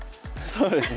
そうですね。